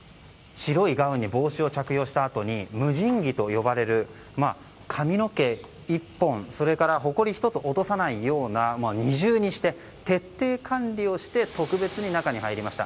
白いガウンに帽子を着用したあと無塵着と呼ばれる髪の毛１本それからほこり１つ落とさないように二重にして徹底管理をして特別に中に入りました。